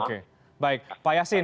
oke baik pak yasin